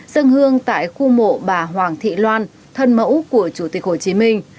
dân hương tại khu mộ bà hoàng thị loan thân mẫu của chủ tịch hồ chí minh